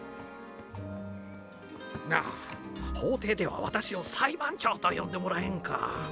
なあ法廷では私を裁判長と呼んでもらえんか。